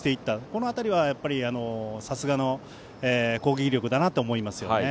この辺りは、さすがの攻撃力だと思います。